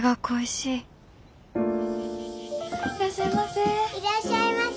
いらっしゃいませ。